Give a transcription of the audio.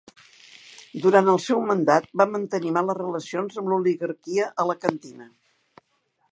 Durant el seu mandat va mantenir males relacions amb l'oligarquia alacantina.